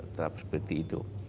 tetap seperti itu